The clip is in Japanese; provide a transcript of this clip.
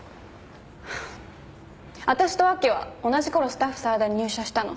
私と亜希は同じ頃スタッフＳＡＷＡＤＡに入社したの。